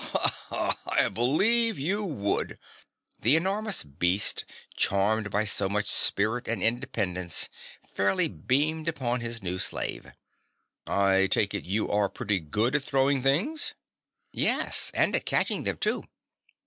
"Ha ha! I believe you would." The enormous beast, charmed by so much spirit and independence fairly beamed upon his new slave. "I take it you are pretty good at throwing things." "Yes, and at catching them, too."